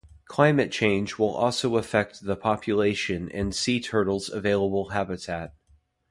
Climate change will also affect the population and sea turtle's available habitat.